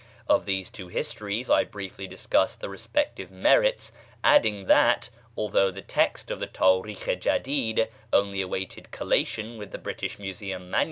Of these two histories I briefly discussed the respective merits, adding that, although the text of the Táríkh i Jadíd only awaited collation with the British Museum MS.